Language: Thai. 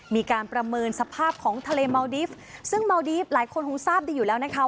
มีการประเมินสภาพของทะเลเมาดีฟซึ่งเมาดีฟหลายคนคงทราบดีอยู่แล้วนะคะ